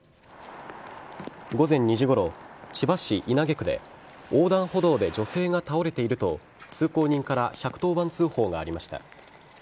午前２時ごろ千葉市稲毛区で横断歩道で女性が倒れていると通行人から１１０番通報がありました。